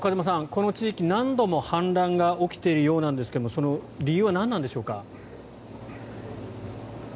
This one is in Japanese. この地域、何度も氾濫が起きているそうなんですがその理由は何なんでしょうか。